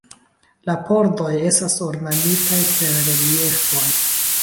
La pordoj estas ornamitaj per reliefoj.